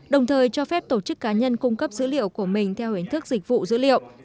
đồng thời cho phép tổ chức cá nhân cung cấp dữ liệu của mình theo hình thức dịch vụ dữ liệu